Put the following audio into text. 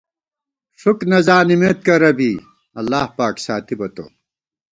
ݭُک نہ زانِمېت کرہ بی، اللہ پاک ساتِبہ تو